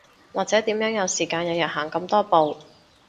或者點樣有時間日日行咁多步